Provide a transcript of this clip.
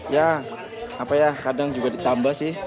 ya apa ya kadang juga ditambah sih